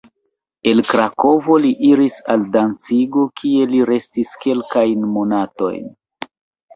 El Krakovo li iris al Dancigo, kie li restis kelkajn monatojn.